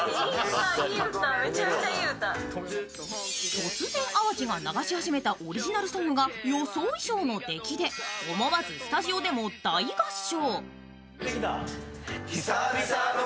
突然、淡路が流し始めたオリジナルソングが予想以上の出来で思わずスタジオでも大合唱。